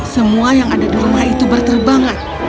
semua yang ada di rumah itu berterbangan